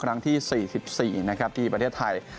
ครั้งที่๔๔นะครับที่ประเทศไทย